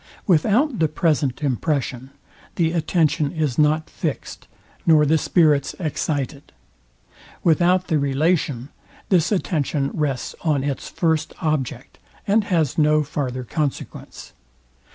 Without the present impression, the attention is not fixed, nor the spirits excited. Without the relation, this attention rests on its first object, and has no farther consequence.